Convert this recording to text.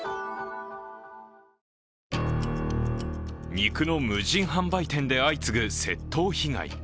肉の無人販売店で相次ぐ窃盗被害。